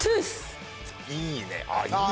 いいね。